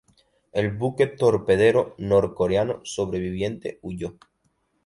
El buque torpedero norcoreano sobreviviente huyó.